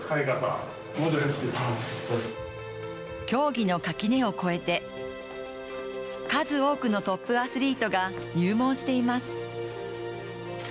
競技の垣根を越えて数多くのトップアスリートが入門しています。